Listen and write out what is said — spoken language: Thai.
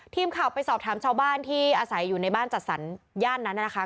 ทีมข่าวไปสอบถามชาวบ้านที่อาศัยอยู่ในบ้านจัดสรรย่านนั้นนะคะ